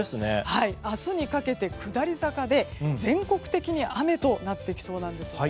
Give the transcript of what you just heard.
明日にかけて下り坂で全国的に雨となりそうです。